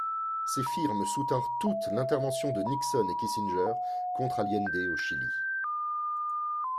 Ces firmes soutinrent toutes l'intervention de Nixon et Kissinger contre Allende au Chili.